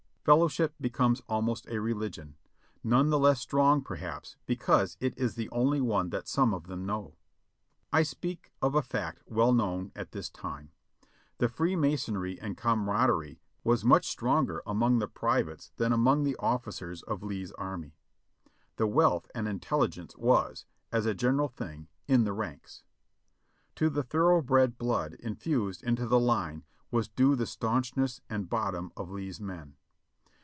Fellowship becomes almost a religion, none the less strong, perhaps, because it is the only one that some of them know. I speak of a fact well known at this time ; the freemasonry and camaraderie was much stronger among the privates than among the officers of Lee's army. The wealth and intelligence was, as a general thing, in the ranks. To the thoroughbred blood in fused into the line was due the staunchness and bottom of Lee's men.